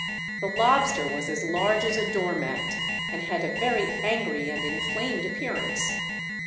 The lobster was as large as a door mat, and had a very angry and inflamed appearance.